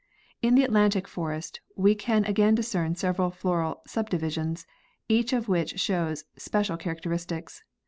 In the Atlantic forest we can again discern several floral sub divisions, each of which shows special characteristics.